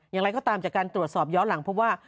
อย่างไรก็ตามจากการตรวจสอบย้อนหลังเพราะว่า